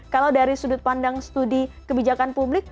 kalau dari sudut pandang studi kebijakan publik